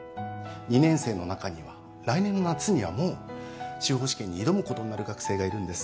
２年生の中には来年の夏にはもう司法試験に挑むことになる学生がいるんです。